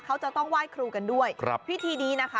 เขาจะต้องไหว้ครูกันด้วยครับพิธีนี้นะคะ